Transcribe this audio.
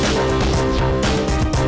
nggak akan ngediam nih